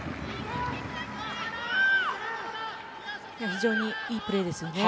非常にいいプレーですね。